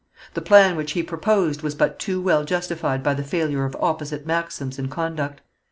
The plan which he proposed was but too well justified by the failure of opposite maxims and conduct."